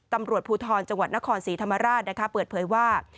ตำรวจภูทรจังหวัดนครศรีธรรมราชเปิดเผยว่า